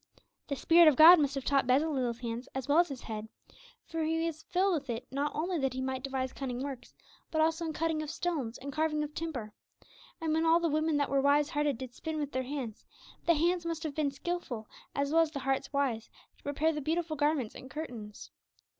The Spirit of God must have taught Bezaleel's hands as well as his head, for he was filled with it not only that he might devise cunning works, but also in cutting of stones and carving of timber. And when all the women that were wise hearted did spin with their hands, the hands must have been made skilful as well as the hearts made wise to prepare the beautiful garments and curtains.